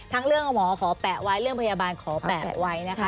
เรื่องหมอขอแปะไว้เรื่องพยาบาลขอแปะไว้นะคะ